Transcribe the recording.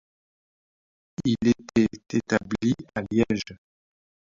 Il était établi à Liège.